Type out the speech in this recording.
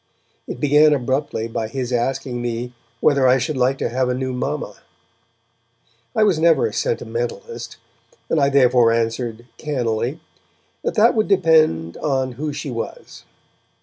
It began abruptly by his asking me whether I should like to have a new mamma. I was never a sentimentalist, and I therefore answered, cannily, that that would depend on who she was.